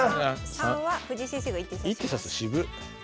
３は藤井先生が１手指す。